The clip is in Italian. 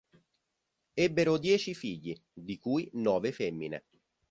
Ebbero dieci figli, di cui nove femmine.